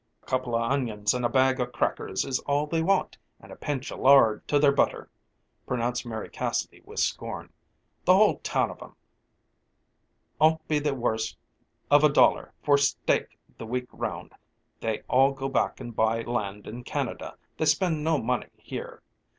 "A couple o' onions and a bag o' crackers is all they want and a pinch o' lard to their butter," pronounced Mary Cassidy with scorn. "The whole town of 'em 'on't be the worse of a dollar for steak the week round. They all go back and buy land in Canada, they spend no money here.